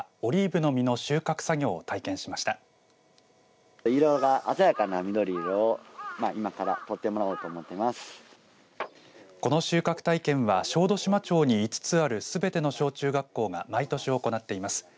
この収穫体験は小豆島町に５つあるすべての小中学校が毎年行っています。